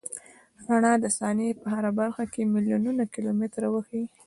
رڼا د ثانیې په هره برخه کې میلیونونه کیلومتره وهي.